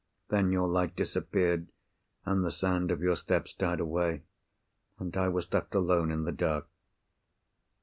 "Then, your light disappeared, and the sound of your steps died away, and I was left alone in the dark."